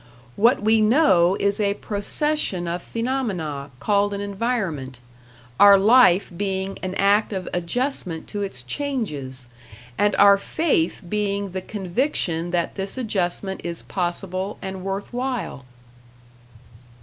What we know is a procession of phenomena called an environment; our life being an act of adjustment to its changes, and our faith being the conviction that this adjustment is possible and worth while.